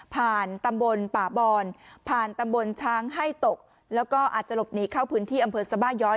ตำบลป่าบอนผ่านตำบลช้างให้ตกแล้วก็อาจจะหลบหนีเข้าพื้นที่อำเภอสบาย้อย